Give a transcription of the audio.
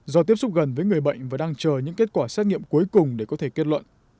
do tiếp xúc gần với người bệnh và đang chờ những kết quả xét nghiệm cuối cùng để có thể kết luận